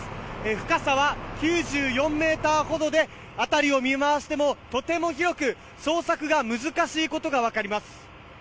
深さは、９４ｍほどで辺りを見回してもとても広く捜索が難しいことが分かります。